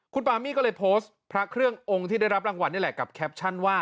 คุณปามี่ก็เลยโพสต์พระเครื่ององค์ที่ได้รับรางวัลนี่แหละกับแคปชั่นว่า